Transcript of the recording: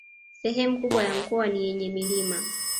Sehemu kubwa ya mkoa ni yenye milima